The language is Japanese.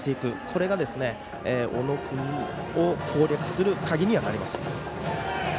これが小野君を攻略する鍵にはなります。